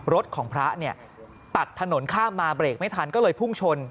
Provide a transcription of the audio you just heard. รถของพระเนี่ยตัดถนนข้ามมาเบรกไม่ทันก็เลยพุ่งชน